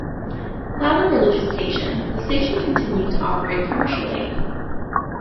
While a religious station, the station continued to operate commercially.